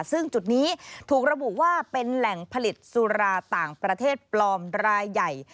ซึ่งจุดนี้ถูกระบุว่าเป็นแหล่งผลิตสุราต่างประเทศปลอมรายใหญ่